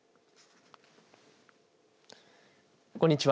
こんにちは。